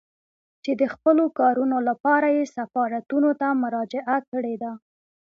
چې د خپلو کارونو لپاره يې سفارتونو ته مراجعه کړې ده.